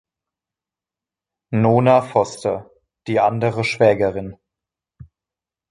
Nona Foster - die andere Schwägerin.